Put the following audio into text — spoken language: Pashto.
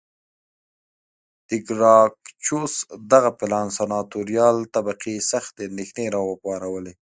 د ګراکچوس دغه پلان سناتوریال طبقې سختې اندېښنې را وپارولې